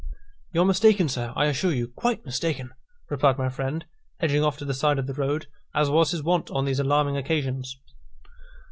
"You're mistaken, sir, I assure you quite mistaken," replied my friend, edging off to the side of the road, as was his wont on these alarming occasions.